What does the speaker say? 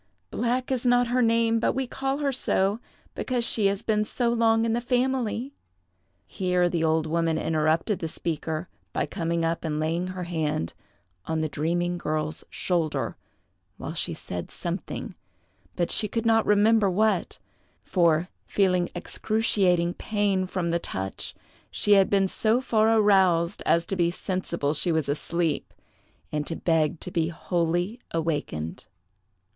Black is not her name, but we call her so because she has been so long in the family." Here the old woman interrupted the speaker by coming up and laying her hand on the dreaming girl's shoulder, while she said something; but she could not remember what, for, feeling excruciating pain from the touch, she had been so far aroused as to be sensible she was asleep, and to beg to be wholly awakened.